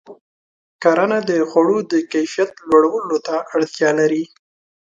کرنه د خوړو د کیفیت لوړولو ته اړتیا لري.